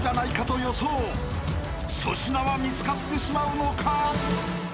［粗品は見つかってしまうのか？］